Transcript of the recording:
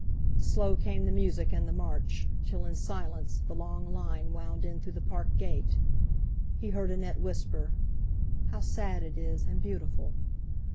Slow came the music and the march, till, in silence, the long line wound in through the Park gate. He heard Annette whisper, "How sad it is and beautiful!"